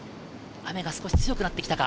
雨が少し強くなってきたか？